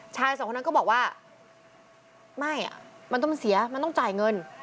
ชายสองคนนั้นก็บอกว่าไม่มันต้องเสียมันต้องจ่ายเงิน